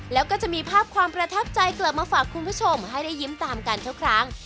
แล้วก็จะมีภาพความประทับใจกลับมาฝากคุณผู้ชมให้ได้ยิ้มตามกันทุกครั้ง